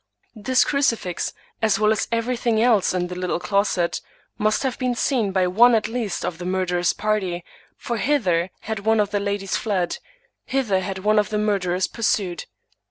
This crucifix, as well as everything else in the little closet, must have been seen by one at least of the murderous party ; for hither had one of the ladies fled; hither had one of the murderers pursued.